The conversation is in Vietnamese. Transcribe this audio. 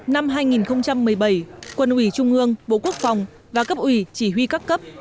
năm hai nghìn một mươi bảy quân ủy trung ương bộ quốc phòng và cấp ủy chỉ huy các cấp